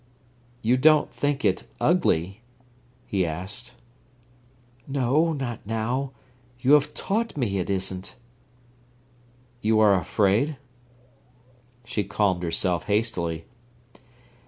"You don't think it ugly?" he asked. "No, not now. You have taught me it isn't." "You are afraid?" She calmed herself hastily.